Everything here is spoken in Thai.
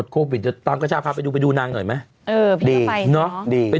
ดูนางหน่อยเนอะไม่ต้องดูหน่อยแม่ดูพี่นางไปเลยไม่ต้องดูหน่อย